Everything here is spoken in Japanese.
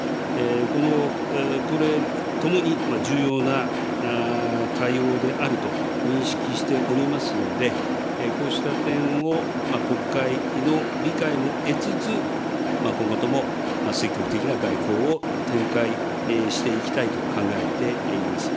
この、これともに重要な対応であると認識しておりますので、こうした点を国会の理解も得つつ、今後とも積極的な外交を展開していきたいと考えています。